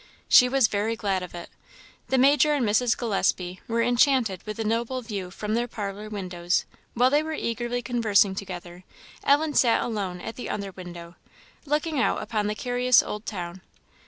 She was very glad of it. The Major and Mrs. Gillespie were enchanted with the noble view from their parlour windows; while they were eagerly conversing together, Ellen sat alone at the other window, looking out upon the curious Old Town.